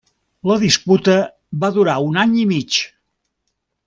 La disputa va durar un any i mig.